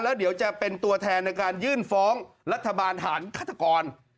แล้วเดี๋ยวจะเป็นตัวแทนในการยื่นฟ้องรัฐบาลฐานฆาตกร